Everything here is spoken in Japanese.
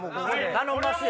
頼んますよ。